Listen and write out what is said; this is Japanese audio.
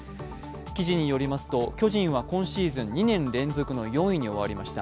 記事によりますと巨人は今シーズン、２年連続の４位に終わりました。